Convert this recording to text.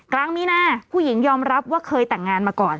กลางมีนาผู้หญิงยอมรับว่าเคยแต่งงานมาก่อน